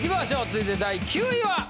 続いて第９位は！